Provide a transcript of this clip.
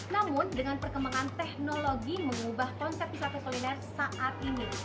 namun dengan perkembangan teknologi mengubah konsep wisata kuliner saat ini